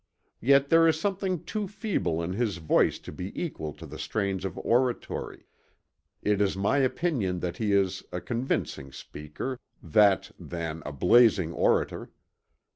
Yet there is something too feeble in his voice to be equal to the strains of oratory; it is my opinion that he is a convincing Speaker, that (than) a blazing Orator.